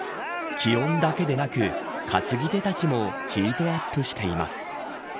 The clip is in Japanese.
気温だけでなく担ぎ手たちもヒートアップしています。